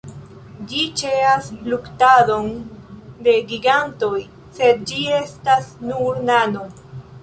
Ĝi ĉeas luktadon de gigantoj, sed ĝi estas nur nano.